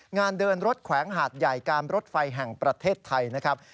งานเดินรถแขวงหาดใหญ่การรถไฟแห่งประเทศไทยนะครับ